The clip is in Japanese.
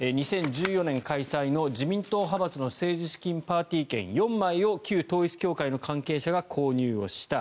２０１４年開催の自民党派閥の政治資金パーティー券４枚を旧統一教会の関係者が購入をした。